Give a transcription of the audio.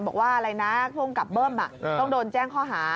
บอกว่าอะไรนะภูมิกับเบิ้มต้องโดนแจ้งข้อหา